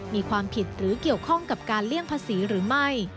มีความผิดหรือเกี่ยวข้องกับการเลี่ยงภาษีหรือไม่